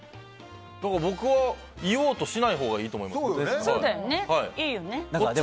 だから僕は言おうとしないほうがいいと思いますけどね。